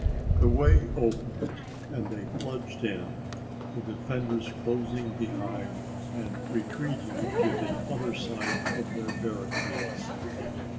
The way opened and they plunged in, the defenders closing behind and retreating to the other side of their barricades.